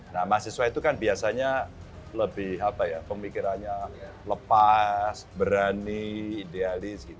nah mahasiswa itu kan biasanya lebih apa ya pemikirannya lepas berani idealis